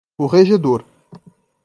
corregedor